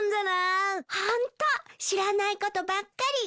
知らないことばっかり。